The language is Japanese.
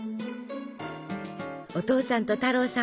お父さんと太郎さん